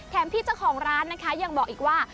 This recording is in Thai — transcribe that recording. พี่เจ้าของร้านนะคะยังบอกอีกว่า